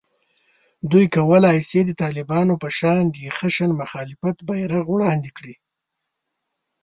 دوی کولای شي د طالبانو په شان د خشن مخالفت بېرغ وړاندې کړي